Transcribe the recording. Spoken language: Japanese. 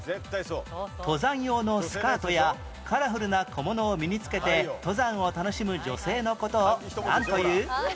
登山用のスカートやカラフルな小物を身につけて登山を楽しむ女性の事をなんという？